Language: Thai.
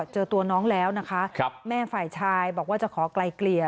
เจอตัวน้องแล้วนะคะแม่ฝ่ายชายบอกว่าจะขอไกลเกลี่ย